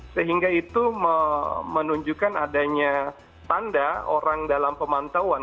sehingga itu menunjukkan adanya tanda orang dalam pemantauan